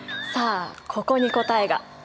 さあここに答えが。